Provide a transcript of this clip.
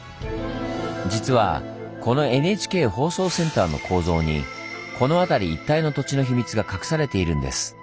実はこのＮＨＫ放送センターの構造にこの辺り一帯の土地の秘密が隠されているんです。